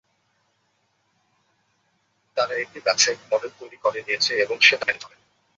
তারা একটি ব্যবসায়িক মডেল তৈরি করে নিয়েছে এবং সেটা মেনে চলে।